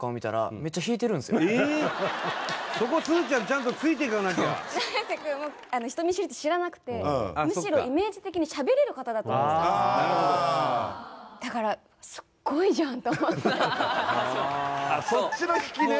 そこすずちゃんちゃんとついてかなきゃ永瀬くんも人見知りって知らなくてむしろイメージ的にしゃべれる方だと思ってたんですだからそっちの引きね